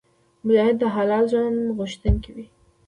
مجاهد د حلال ژوند غوښتونکی وي.